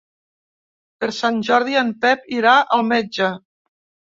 Per Sant Jordi en Pep irà al metge.